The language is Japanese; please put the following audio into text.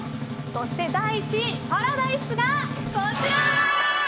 そして第１位パラダイスがこちら！